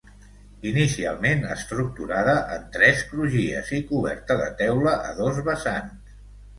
Inicialment estructurada en tres crugies i coberta de teula a dos vessants.